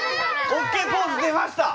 オッケーポーズ出ました！